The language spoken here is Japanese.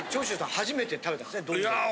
初めて食べたんですねどんどん。